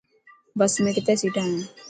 بس ۾ ڪتي سيٽان هي.